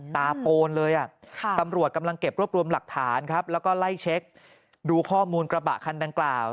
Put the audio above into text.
โปนเลยตำรวจกำลังเก็บรวบรวมหลักฐานครับแล้วก็ไล่เช็คดูข้อมูลกระบะคันดังกล่าว